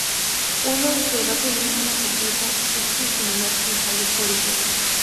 Una discografía mínima completa este estimulante ensayo histórico.